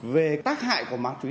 về tác hại của ma túy